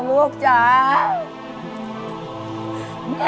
พ่อสาว